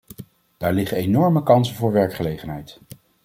Daar liggen enorme kansen voor werkgelegenheid.